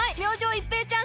一平ちゃーん！